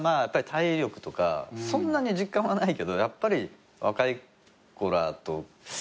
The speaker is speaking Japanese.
体力とかそんなに実感はないけどやっぱり若い子らと。